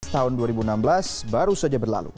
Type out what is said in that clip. tahun dua ribu enam belas baru saja berlalu